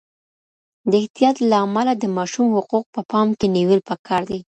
د احتياط لامله د ماشوم حقوق په پام کي نيول پکار دي.